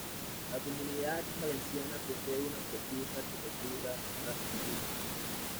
La Comunidad Valenciana posee una profusa arquitectura racionalista.